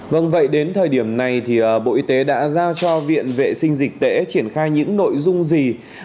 vâng vậy đến thời điểm này thì bộ y tế đã giao cho viện vệ sinh dịch tễ triển khai những nội dung gì